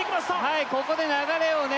はいここで流れをね